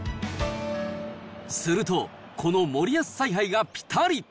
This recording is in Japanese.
すると、この森保采配がぴたり。